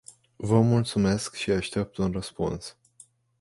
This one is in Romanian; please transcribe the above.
Vă mulțumesc și aștept un răspuns.